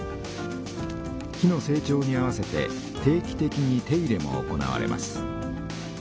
木の成長に合わせて定期的に手入れも行われます。